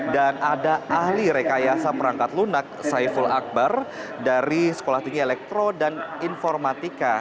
dan ada ahli rekayasa perangkat lunak saiful akbar dari sekolah tinggi elektro dan informatika